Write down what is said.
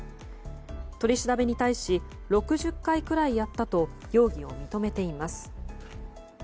取り調べに対し６０回ぐらいやったと容疑を認めています。